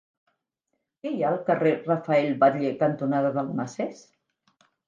Què hi ha al carrer Rafael Batlle cantonada Dalmases?